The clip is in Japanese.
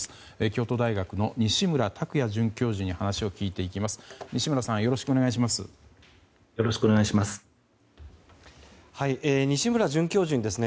京都大学の西村卓也准教授に話を聞いていきます。